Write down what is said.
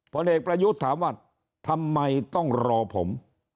ผลเอกประยุทธ์ถามว่าทำไมต้องรอผม